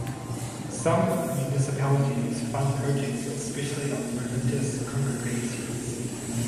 Some municipalities fund projects especially of religious Congregations.